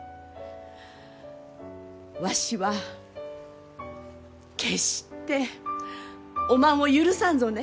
わしは決しておまんを許さんぞね。